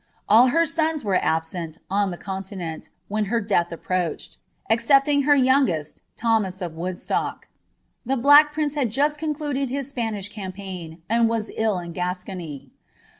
U her sons were absent, on the continent, when her death approached, Kcepting her youngest, Thomas of Woodstock. The Black Prince had ast concluded his Spanish campaign, and was ill in Gascony.